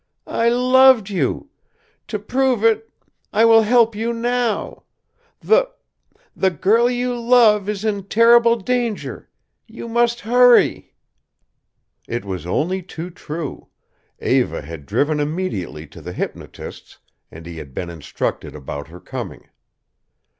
"I loved you. To prove it I will help you now. The the girl you love is in terrible danger you must hurry." It was only too true. Eva had driven immediately to the hypnotist's, and he had been instructed about her coming.